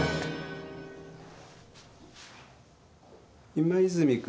今泉君。